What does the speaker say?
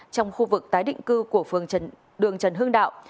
trong khu vực tái định cư của phường đường trần hưng đạo